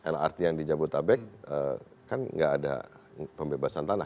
lrt yang di jabodetabek kan nggak ada pembebasan tanah